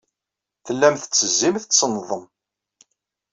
Tellam tettezzim, tettennḍem.